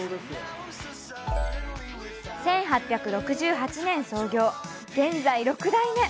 １８６８年創業、現在６代目！